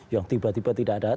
yang tiba tiba tidak ada